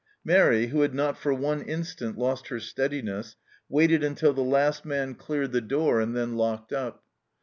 Mairi, who had not for one instant lost her steadiness, waited until the last man cleared the THE STEENKERKE HUT 231 door, and then locked up.